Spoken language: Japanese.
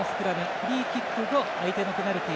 フリーキック後サモアのペナルティ